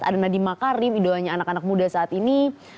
ada nadiem makarim idolanya anak anak muda saat ini